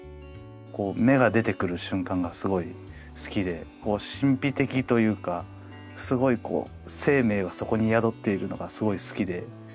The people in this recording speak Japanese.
こう芽が出てくる瞬間がすごい好きで神秘的というかすごいこう生命がそこに宿っているのがすごい好きで。